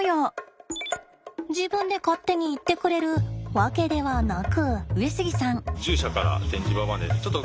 自分で勝手に行ってくれるわけではなく。